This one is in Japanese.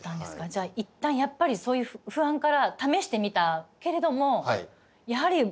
じゃあ一旦やっぱりそういう不安から試してみたけれどもやはり俺たちは栃木だと。